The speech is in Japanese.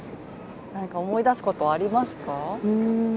何か思い出すことはありますか？